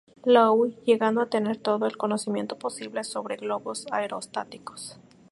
Lowe, llegando a tener todo el conocimiento posible sobre globos aerostáticos.